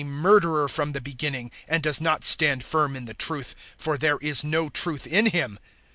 *He* was a murderer from the beginning, and does not stand firm in the truth for there is no truth in him.